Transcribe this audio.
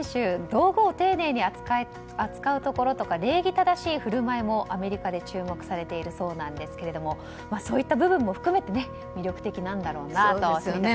道具を丁寧に扱うところとか礼儀正しい振る舞いもアメリカで注目されているそうなんですけれどもそういった部分も含めて魅力的なんだろうなと思いますね。